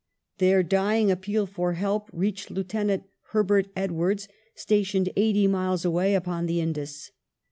Their dying appeal for help reached Lieu tenant Herbert Edwardes, stationed eighty miles away upon the Indus.